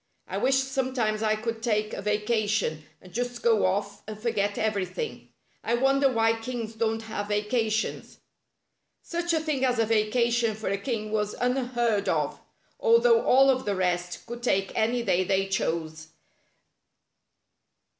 I wish sometimes I could take a vacation, and just go off and forget everything. I wonder why kings don't have vacations." Such a thing as a vacation for a king was un heard of, although all of the rest could take any day they chose.